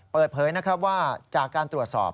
เปิดเผยนะครับว่าจากการตรวจสอบ